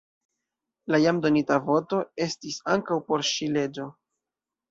La jam donita voto estis ankaŭ por ŝi leĝo.